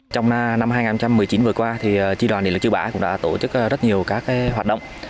trong năm hai nghìn một mươi chín vừa qua tri đoàn điện lực chư bãi cũng đã tổ chức rất nhiều các hoạt động